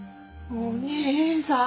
お義兄さん。